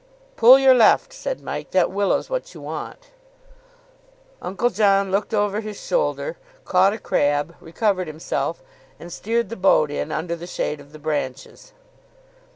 "Pull your left," said Mike. "That willow's what you want." Uncle John looked over his shoulder, caught a crab, recovered himself, and steered the boat in under the shade of the branches.